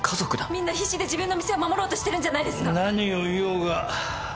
みんな必死で自分の店を守ろうとしてるんじゃないですか。